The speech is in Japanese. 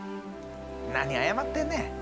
何謝ってんねん。